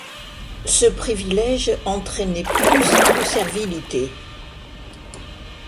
Ce privilège entraînait plus de servilité.